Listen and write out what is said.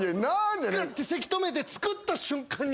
グッてせき止めて作った瞬間に。